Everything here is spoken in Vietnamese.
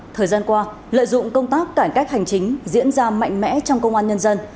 thời gian qua lợi dụng công tác cải cách hành chính diễn ra mạnh mẽ trong công an nhân dân